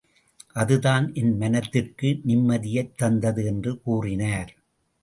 அதுதான் என் மனத்திற்கு நிம்மதியைத் தந்தது என்று கூறினார்.